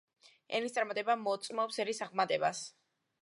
ენის წარმატება მოწმობს ერის აღმატებას.